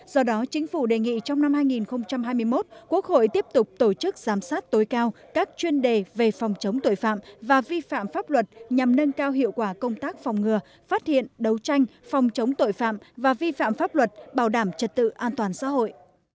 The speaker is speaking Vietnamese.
do đó chính phủ đề nghị trong năm hai nghìn hai mươi một quốc hội tiếp tục tổ chức giám sát tối cao các chuyên đề về phòng chống tội phạm và vi phạm pháp luật nhằm nâng cao hiệu quả công tác phòng ngừa phát hiện đấu tranh phòng chống tội phạm và vi phạm pháp luật bảo đảm trật tự an toàn xã hội